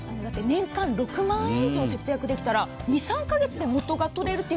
年間６万円以上節約できたら２３か月で元が取れますね。